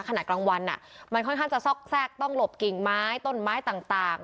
ขณะกลางวันมันค่อนข้างจะซอกแทรกต้องหลบกิ่งไม้ต้นไม้ต่าง